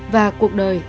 và cuộc đời